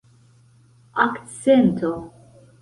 akcento